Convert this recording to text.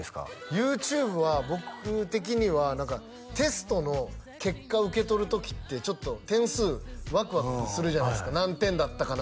ＹｏｕＴｕｂｅは僕的には何かテストの結果受け取る時ってちょっと点数ワクワクするじゃないですか何点だったかな？